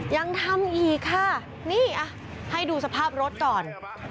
ยังทำอีกค่ะนี่ให้ดูสภาพรถก่อน